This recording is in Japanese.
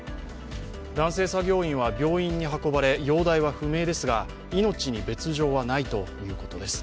男性作業員は病院に運ばれ、容体は不明ですが、命に別状はないということです。